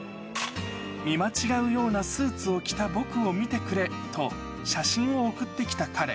見間違うようなスーツを着た僕を見てくれと、写真を送ってきた彼。